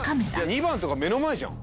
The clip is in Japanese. ２番とか目の前じゃん。